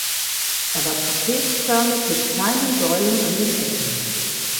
Er war trapezförmig mit kleinen Säulen an den Ecken.